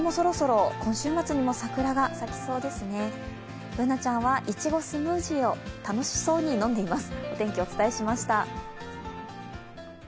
Ｂｏｏｎａちゃんは、いちごスムージーを楽しそうに飲んでいます。